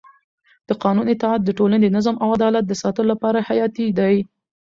د قانون اطاعت د ټولنې د نظم او عدالت د ساتلو لپاره حیاتي دی